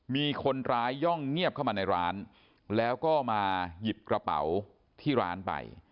มีคนร้ายย่องเงียบเข้ามาในร้านแล้วก็มาหยิบกระเป๋าที่ร้านไป